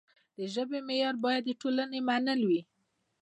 د ژبې معیار باید د ټولنې منل وي.